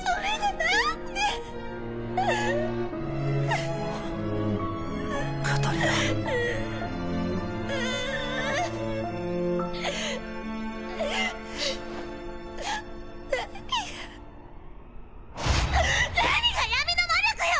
何が何が闇の魔力よ！